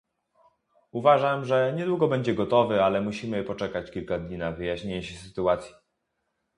uważam, że niedługo będzie gotowy, ale musimy poczekać kilka dni na wyjaśnienie się sytuacji